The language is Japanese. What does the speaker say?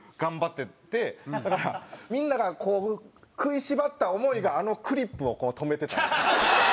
だからみんながこう食いしばった思いがあのクリップをこう留めてた。